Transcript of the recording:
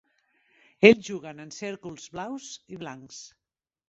Ells juguen en cèrcols blaus i blancs.